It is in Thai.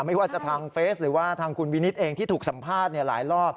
ไม่ว่าจะทางเฟสหรือว่าทางคุณวินิตเองที่ถูกสัมภาษณ์หลายรอบ